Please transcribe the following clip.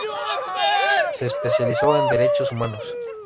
Se especializó en Derechos Humanos.